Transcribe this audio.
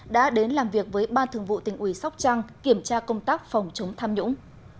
đã đến làm việc với ban thường vụ tỉnh ủy sóc trăng kiểm tra công tác phòng chống tham nhũng